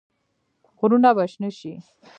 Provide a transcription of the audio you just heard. غرونه به شنه شي؟